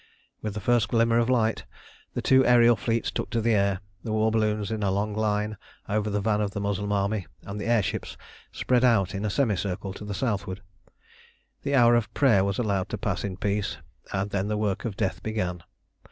With the first glimmer of light, the two aërial fleets took the air, the war balloons in a long line over the van of the Moslem army, and the air ships spread out in a semicircle to the southward. The hour of prayer was allowed to pass in peace, and then the work of death began.